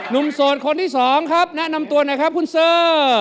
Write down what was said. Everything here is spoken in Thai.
นุ่มโสดคนที่สองครับแนะนำตัวไหนครับคุณเสริร์